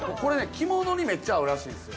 着物にめっちゃ合うらしいですよ